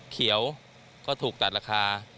เขียวก็ถูกตัดราคา